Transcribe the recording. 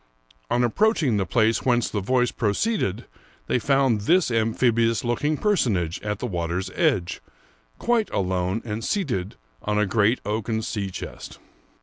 On approach ing the place whence the voice proceeded, they found this amphibious looking personage at the water's edge, quite alone, and seated on a great oaken sea chest.